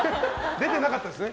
出てなかったですね。